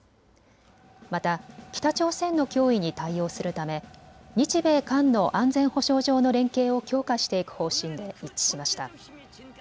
また北朝鮮の脅威に対応するため日米韓の安全保障上の連携を強化していく方針で一致しました。